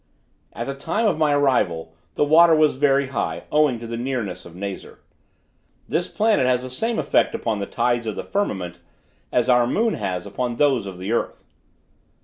At the time of my arrival the water was very high, owing to the nearness of Nazar. This planet has the same effect upon the tides of the firmament, as our moon has upon those of the earth.